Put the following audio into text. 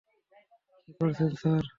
কী করছেন, স্যার।